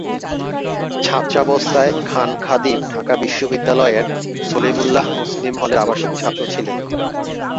ছাত্রাবস্থায় খান খাদিম ঢাকা বিশ্ববিদ্যালয়ের সলিমুল্লাহ মুসলিম হলের আবাসিক ছাত্র ছিলেন।